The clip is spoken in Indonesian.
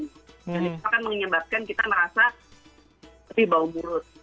jadi itu akan menyebabkan kita merasa seperti bau mulut